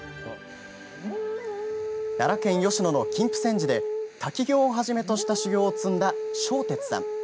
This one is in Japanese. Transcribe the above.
奈良県吉野の金峯山寺で滝行をはじめとした修行を積んだ正哲さん。